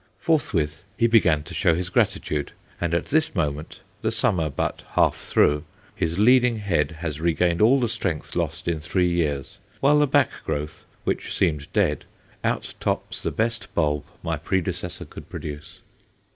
Forthwith he began to show his gratitude, and at this moment the summer but half through his leading head has regained all the strength lost in three years, while the back growth, which seemed dead, outtops the best bulb my predecessor could produce.